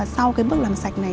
sau bước làm sạch này